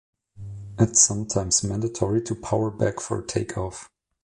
It is sometimes mandatory to powerback for take-off.